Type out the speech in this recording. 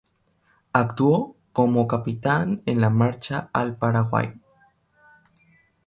Actuó como capitán en la marcha al Paraguay.